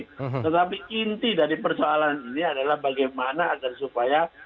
tetapi inti dari persoalan ini adalah bagaimana agar supaya